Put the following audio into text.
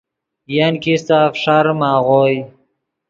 ین کیستہ فݰاریم آغوئے۔